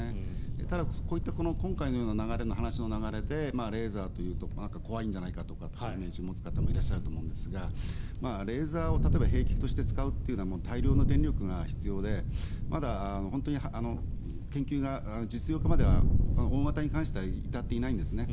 ただ、こういった今回のような話の流れでレーザーというと、なんか怖いんじゃないかという印象を持つ方もいらっしゃると思うんですがレーザーを兵器として使うというのは大量の電力が必要で本当に研究が実用化までは大型に関しては至っていないんですね。